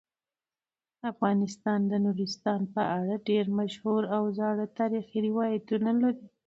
افغانستان د نورستان په اړه ډیر مشهور او زاړه تاریخی روایتونه لري.